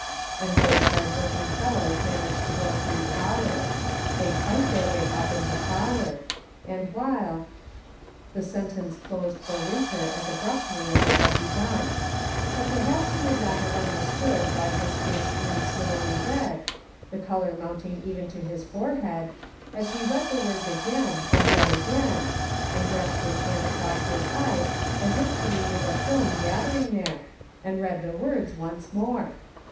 And those hard working fellows manage to go through college. They fight their way up into power ; and while "— The sentence closed, for Winter, as abruptly as it had begun ; but perhaps you would not have understood why his face grew slowly red, the color mounting even to his forehead, as he read the words again, and yet again, and brushed his hand across his eyes as if to remove a film gather ing there, and read the words once more.